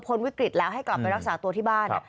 วิกฤตแล้วให้กลับไปรักษาตัวที่บ้าน